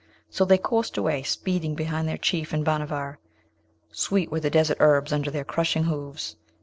So they coursed away, speeding behind their Chief and Bhanavar; sweet were the desert herbs under their crushing hooves!